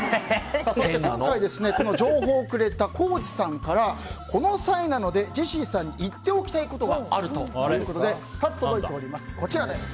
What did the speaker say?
今回、この情報をくれた高地さんからこの際なので、ジェシーさんに言っておきたいことがあるということで２つ届いております。